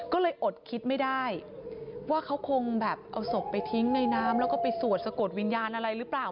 ก็เลยอดคิดไม่ได้ว่าเขาคงแบบเอาศพไปทิ้งในน้ำแล้วก็ไปสวดสะกดวิญญาณอะไรหรือเปล่า